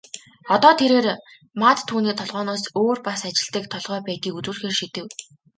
Одоо тэрээр Мад түүний толгойноос өөр бас ажилладаг толгой байдгийг үзүүлэхээр шийдэв.